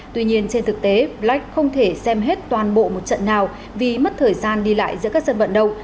tuy nhiên trên thực tế black không thể xem hết toàn bộ một trận nào vì mất thời gian đi lại giữa các sân vận động